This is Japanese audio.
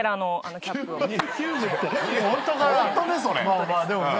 まあまあでもね